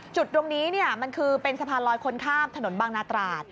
จุดตรงนี้มันคือเป็นสะพานลอยคนข้ามถนนบางนาตราด